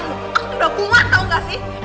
aku tuh udah buang tau gak sih